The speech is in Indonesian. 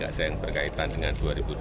ada yang berkaitan dengan dua ribu dua puluh